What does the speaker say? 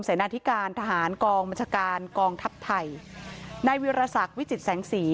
เสนานทิการทหารกองบัญชาการกองทัพไทยในวิราศักดิ์วิจิตแสงสี